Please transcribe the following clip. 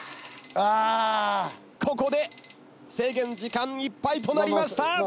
ここで制限時間いっぱいとなりました！